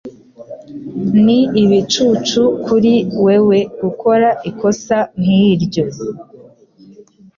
Ni ibicucu kuri wewe gukora ikosa nkiryo.